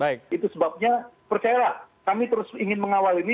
itu sebabnya percayalah kami terus ingin mengawal ini